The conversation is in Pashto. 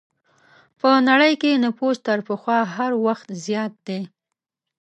په نړۍ کې نفوس تر پخوا هر وخت زیات دی.